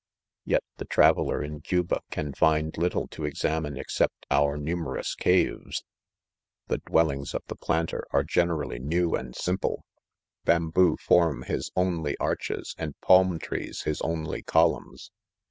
(«) Yet the traveller in Cuba can find little to examine except out numerous caves. The dwellings of the plan ter are generally new and simple. Bamboo Form his only arches and palm trees his only ;olumns.